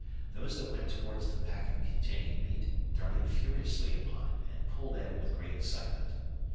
Those that went towards the packet containing meat darted furiously upon it and pulled at it with great excitement.